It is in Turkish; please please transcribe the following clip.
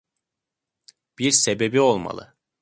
Bir sebebi olmalı.